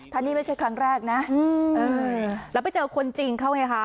ถ้านี่ไม่ใช่ครั้งแรกนะแล้วไปเจอคนจริงเขาไงคะ